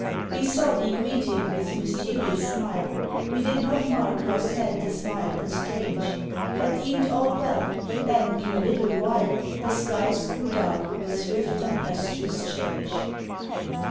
. We saw thee greet him with mysterious smile, We did not mark how sad the smile and strange, But deemed all well, then in a little while The skies grew dark with swift tempestuous change.